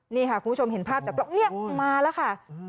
นี่ค่ะคุณผู้ชมเห็นภาพแบบนี้มาแล้วค่ะ